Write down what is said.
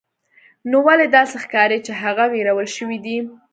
نو ولې داسې ښکاري چې هغه ویرول شوی دی